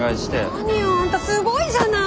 何よあんたすごいじゃない！